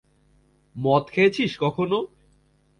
মদ খেয়েছিস কখনো?